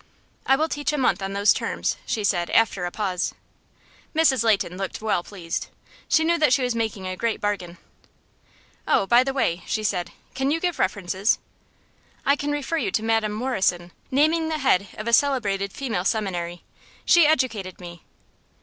"I will teach a month on those terms," she said, after a pause. Mrs. Leighton looked well pleased. She knew that she was making a great bargain. "Oh, by the way," she said, "can you give references?" "I can refer you to Madam Morrison," naming the head of a celebrated female seminary. "She educated me."